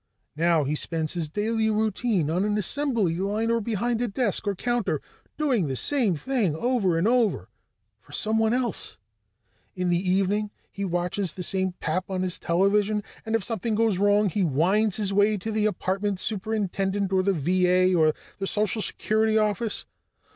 Now he spends his daily routine on an assembly line or behind a desk or counter, doing the same thing over and over for someone else. In the evening he watches the same pap on his television, and if something goes wrong he whines his way to the apartment superintendent or the VA or the Social Security office.